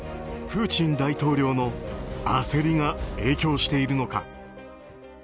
プーチン大統領の焦りが影響しているのか。